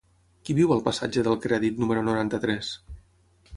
Qui viu al passatge del Crèdit número noranta-tres?